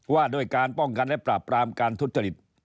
ว่าด้วยการป้องกันและปราบปรามการทุจริต